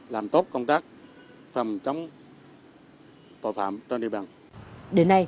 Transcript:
làm tốt công tác phòng chống tội phạm trên địa bàn